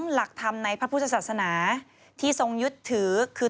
หลักธรรมในพระพุทธศาสนาที่ทรงยึดถือคือ